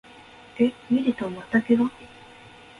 え、ミリトンまた怪我？